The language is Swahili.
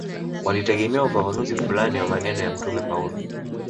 Walitegemea ufafanuzi fulani wa maneno ya Mtume Paulo